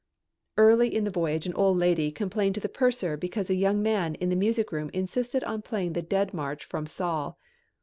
Early in the voyage an old lady complained to the purser because a young man in the music room insisted on playing the Dead March from "Saul."